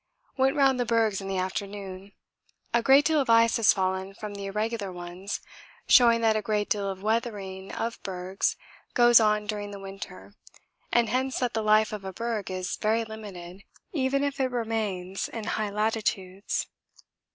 Went round the bergs in the afternoon. A great deal of ice has fallen from the irregular ones, showing that a great deal of weathering of bergs goes on during the winter and hence that the life of a berg is very limited, even if it remains in the high latitudes.